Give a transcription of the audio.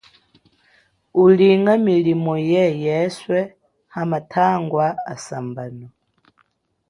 Ulinga milimo ye yeswe ha matangwa asambono.